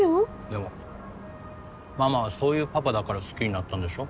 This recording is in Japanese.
でもママはそういうパパだから好きになったんでしょ？